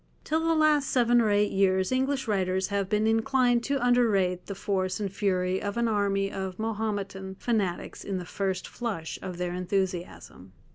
Till the last seven or eight years English writers have been inclined to underrate the force and fury of an army of Mahometan fanatics in the first flush of their enthusiasm.